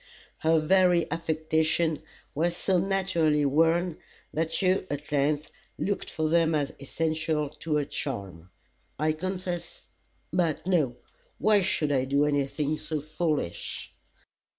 Her very affectations were so naturally worn, that you at length looked for them as essential to her charm. I confess but no! Why should I do anything so foolish?